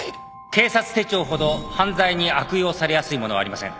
警察手帳ほど犯罪に悪用されやすいものはありません